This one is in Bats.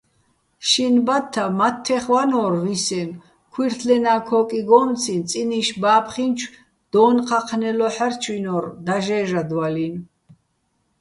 შინ ბათთა მათთეხ ვანო́რ ვისენო̆, ქუჲრთლენა ქოკიგომციჼ წინი́შ ბა́ფხინჩო დო́ნ ჴაჴნელო ჰ̦არჩვინო́რ დაჟე́ჟადვალინო̆.